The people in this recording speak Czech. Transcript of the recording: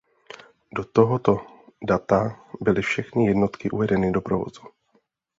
Do tohoto data byly všechny jednotky uvedeny do provozu.